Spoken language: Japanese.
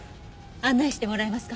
案内してもらえますか？